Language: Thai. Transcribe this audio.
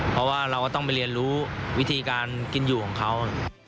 เพราะว่าเราก็ต้องไปเรียนรู้วิธีการกินอยู่ของเขา